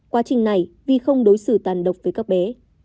quá trình này vi không đối xử tàn độc với các bé